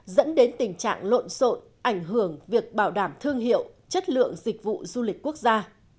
dẫn đến tình trạng lộn xộn ảnh hưởng việc bảo đảm thương hiệu chất lượng dịch vụ du lịch quốc gia